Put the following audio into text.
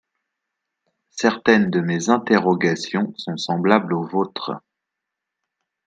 Certaines de mes interrogations sont semblables aux vôtres.